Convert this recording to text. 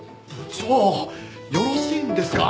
よろしいんですか？